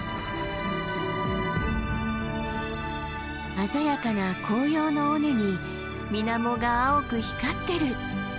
鮮やかな紅葉の尾根に水面が青く光ってる！